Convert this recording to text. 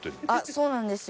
そうなんですよ。